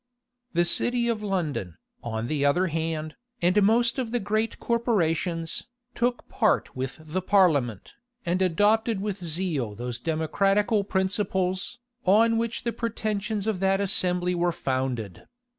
The city of London, on the other hand, and most of the great corporations, took part with the parliament, and adopted with zeal those democratical principles, on which the pretensions of that assembly were founded.